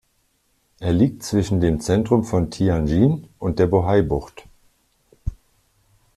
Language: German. Er liegt zwischen dem Zentrum von Tianjin und der Bohai-Bucht.